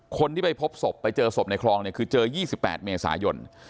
คนที่ไปพบศพไปเจอศพในคลองเนี่ยคือเจอ๒๘เมษายน